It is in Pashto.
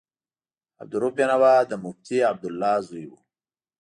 عبدالرؤف بېنوا د مفتي عبدالله زوی و.